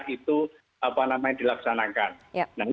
nah ini perusahaan perusahaannya tentunya masing masing daerah ini memiliki